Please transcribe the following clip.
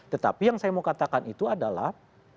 tetapi yang saya mau katakan itu adalah